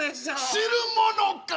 知るものか！